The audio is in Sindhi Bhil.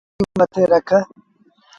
وڏيٚ نآديٚ کي کڻي سريٚݩ مٿي رکو۔